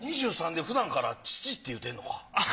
２３でふだんから父って言うてんのか。